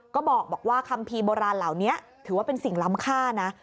ก็บอกว่าคัมภีร์โบราณเหล่านี้ถือว่าเป็นสิ่งล้ำค่านะ